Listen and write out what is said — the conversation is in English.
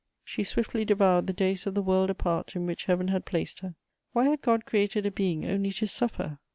She swiftly devoured the days of the world apart in which Heaven had placed her. Why had God created a being only to suffer?